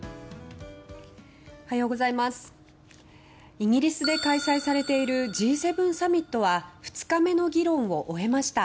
イギリスで開催されているＧ７サミットは２日目の議論を終えました。